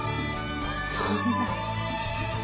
そんな。